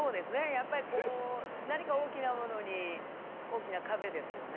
やっぱりこう何か大きなものに大きな壁ですよね。